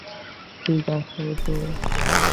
ঠিক আছে, জো।